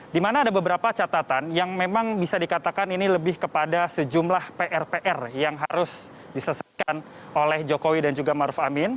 di mana ada beberapa catatan yang memang bisa dikatakan ini lebih kepada sejumlah pr pr yang harus diselesaikan oleh jokowi dan juga maruf amin